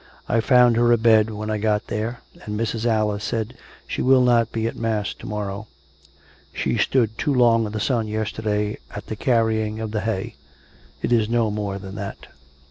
I found her a bed when I got there ; and Mrs. Alice says she will not be at mass to morrow. She stood too long in the sun yesterday, at the carrying of the hay; it is no more than that."